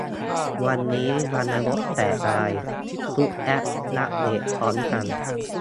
วันนี้วันนรกแตกอะไร ทุกแอปอัปเดตพร้อมกัน !